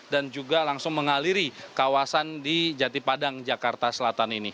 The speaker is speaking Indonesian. dan juga langsung mengaliri kawasan di jati padang jakarta selatan ini